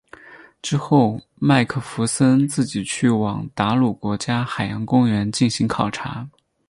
之后麦克弗森自己去往达鲁国家海洋公园进行考察。